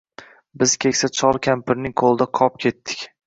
Biz keksa chol-kampirning qo`lida qop ketdik